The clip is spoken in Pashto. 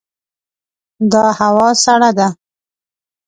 دا هوا سړه ده.